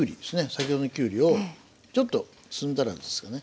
先ほどのきゅうりをちょっと積んだらですかね。